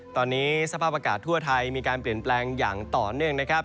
ตอนนี้สภาพอากาศทั่วไทยมีการเปลี่ยนแปลงอย่างต่อเนื่องนะครับ